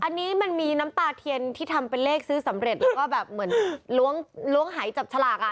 อันนี้มันมีน้ำตาเทียนที่ทำเป็นเลขซื้อสำเร็จแล้วก็แบบเหมือนล้วงหายจับฉลากอ่ะ